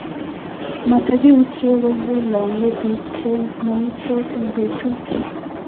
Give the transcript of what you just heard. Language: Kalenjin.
matikiyutie kole lonye biik che meisot eng' betu